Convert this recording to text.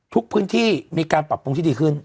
ทุกพื้นที่มีการปรับปรุงที่ดีขึ้น